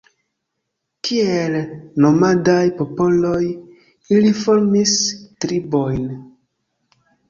Kiel nomadaj popoloj, ili formis tribojn.